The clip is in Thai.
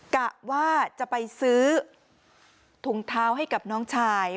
กะว่าจะไปซื้อถุงเท้าให้กับน้องชาย